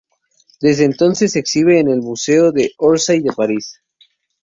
Desde entonces se exhibe en el Museo de Orsay de París.